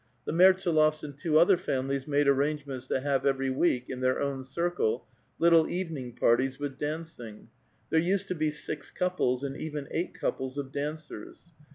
The Mert B&lofs and two other families made arrangements to have every week, in their own circle, little evening parties with dancing; there used to be six couples, and even eight couples, of dancers.